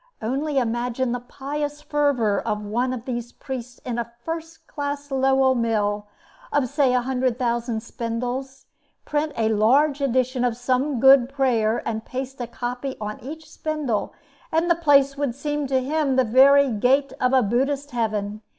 Only imagine the pious fervor of one of these priests in a first class Lowell mill, of say a hundred thousand spindles. Print a large edition of some good prayer and paste a copy on each spindle, and the place would seem to him the very gate of a Buddhist heaven.